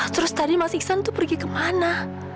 terus tadi mas iksan tuh pergi kemana